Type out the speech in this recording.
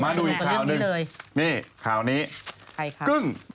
มาดูอีกคราวนึง